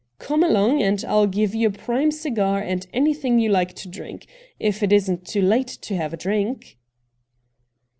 Come along, and I'll give you a prime cigar and anything you like to drink — if it isn't too late to have a drink.'